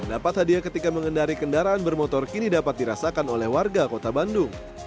mendapat hadiah ketika mengendari kendaraan bermotor kini dapat dirasakan oleh warga kota bandung